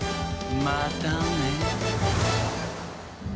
またね。